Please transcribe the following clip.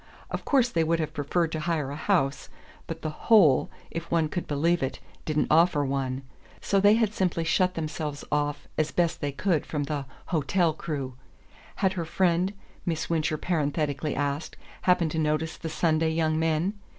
Of course they would have preferred to hire a house, but the "hole," if one could believe it, didn't offer one; so they had simply shut themselves off as best they could from the "hotel crew" had her friend, Miss Wincher parenthetically asked, happened to notice the Sunday young men?